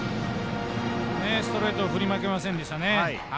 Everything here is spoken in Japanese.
ストレートを振り負けませんでしたね。